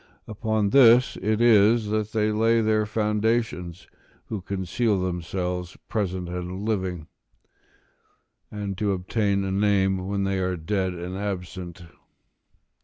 Upon this it is that they lay their foundation who conceal themselves present and living, to obtain a name when they are dead and absent.